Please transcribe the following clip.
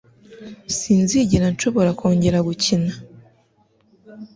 Sinzigera nshobora kongera gukina.